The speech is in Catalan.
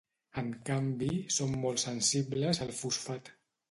En canvi, són molt sensibles al fosfat.